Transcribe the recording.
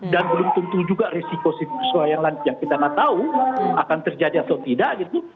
dan belum tentu juga risiko yang kita nggak tahu akan terjadi atau tidak gitu